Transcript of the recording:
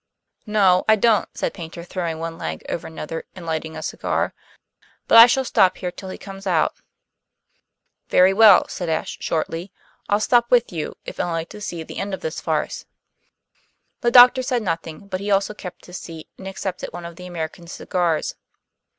"No, I don't," said Paynter, throwing one leg over another and lighting a cigar. "But I shall stop here till he comes out." "Very well," said Ashe shortly, "I'll stop with you, if only to see the end of this farce." The doctor said nothing, but he also kept his seat and accepted one of the American's cigars.